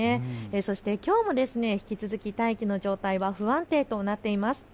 そしてきょうも引き続き大気の状態は不安定となっています。